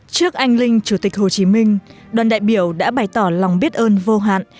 trước anh linh chủ tịch hồ chí minh đoàn đại biểu đã bày tỏ lòng biết ơn vô hạn